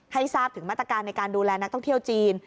ทราบถึงมาตรการในการดูแลนักท่องเที่ยวจีน